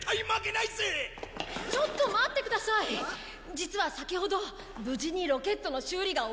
実は先ほど無事にロケットの修理が終わったんです。